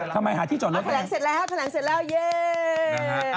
ทำไมหาที่จอรถ